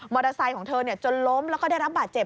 มอเตอร์ไซค์เจอจนล้มแล้วก็ได้รับบาดเจ็บ